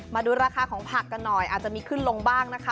มาดูราคาของผักกันหน่อยอาจจะมีขึ้นลงบ้างนะคะ